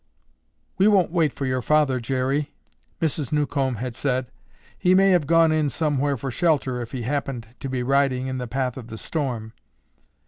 "We won't wait for your father, Jerry," Mrs. Newcomb had said. "He may have gone in somewhere for shelter if he happened to be riding in the path of the storm."